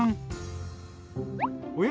おや？